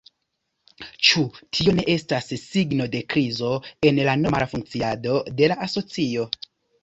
Ĉu tio ne estas signo de krizo en la normala funkciado de la asocio?